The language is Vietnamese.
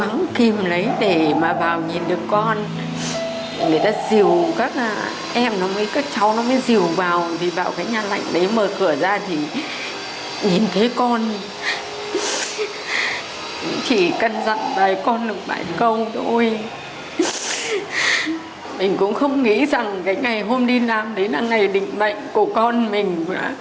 nhìn thấy con chỉ cần rằng bà con được bài công thôi mình cũng không nghĩ rằng ngày hôm đi làm đấy là ngày định bệnh của con mình